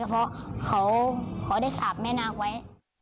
เพราะเขาได้สาบแม่นาคไว้